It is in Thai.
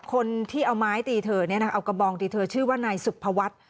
คนที่เอาไม้ตีเธอเอากระบองตีเธอชื่อว่านายสุภวัฒน์